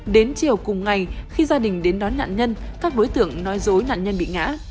đến chiều cùng ngày khi gia đình đến đón nạn nhân các đối tượng nói dối nạn nhân bị ngã